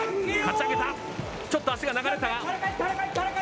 ちょっと足が流れた。